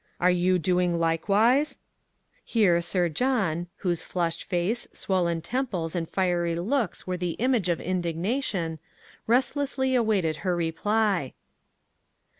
Are you doing likewise?" Here Sir John, whose flushed face, swollen temples, and fiery looks were the image of indignation, restlessly awaited her reply.